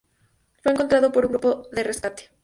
Fue encontrado por un grupo de rescate.